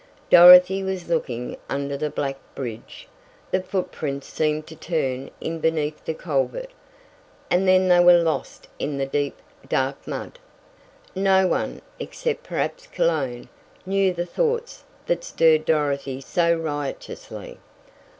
Dorothy was looking under the black bridge. The footprints seemed to turn in beneath the culvert, and then they were lost in the deep, dark mud. Not one, except perhaps Cologne, knew the thoughts that stirred Dorothy so riotously.